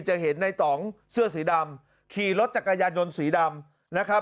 จะเห็นในต่องเสื้อสีดำขี่รถจักรยานยนต์สีดำนะครับ